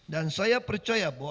dan saya percaya